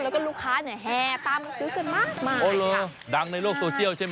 แล้วก็ลูกค้าเนี่ยแห่ตำซื้อเกินมากมากเลยค่ะโอ้โหดังในโลกโซเชียลใช่ไหม